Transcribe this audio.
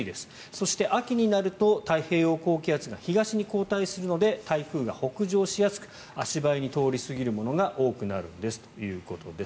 そして、秋になると太平洋高気圧が東に後退するので台風が北上しやすく足早に通り過ぎるものが多くなるということです。